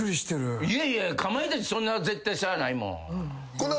いやいやかまいたちそんな絶対差ないもん。